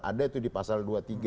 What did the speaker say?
ada itu di pasal dua puluh tiga